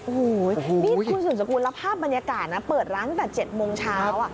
โอ้โหนี่คุณสุดสกุลแล้วภาพบรรยากาศนะเปิดร้านตั้งแต่๗โมงเช้า